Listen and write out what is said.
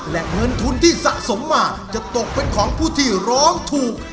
และเงินทุนที่สะสมมาจะตกเป็นของผู้ที่ร้องถูก